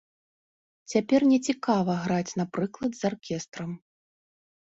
Цяпер не цікава граць, напрыклад, з аркестрам!